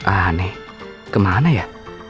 aneh kemana ya